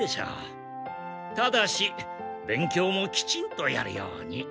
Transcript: ただし勉強もきちんとやるように。